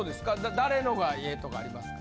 誰のがええとかありますか？